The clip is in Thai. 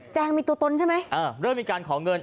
งมีตัวตนใช่ไหมอ่าเริ่มมีการขอเงิน